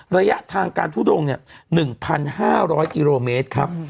ระยะทางการทุดง๑๕๐๐กิโลเมตรครับ